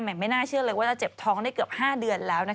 ไม่น่าเชื่อเลยว่าจะเจ็บท้องได้เกือบ๕เดือนแล้วนะคะ